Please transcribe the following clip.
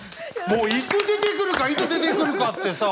もういつ出てくるかいつ出てくるかってさ